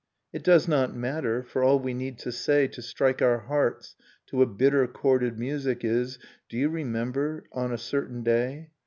It does not matter; for all we need to say To strike our hearts to a bitter chorded music Is 'do you remember ... on a certain day